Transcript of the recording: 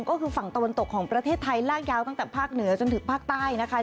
ก็คือฝั่งตะวันตกของประเทศไทยลากยาวตั้งแต่ภาคเหนือจนถึงภาคใต้นะคะ